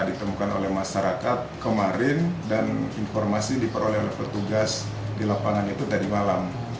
ditemukan oleh masyarakat kemarin dan informasi diperoleh oleh petugas di lapangan itu tadi malam